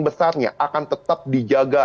besarnya akan tetap dijaga